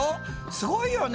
すごいよね。